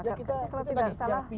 ya kita kita telah ditemukan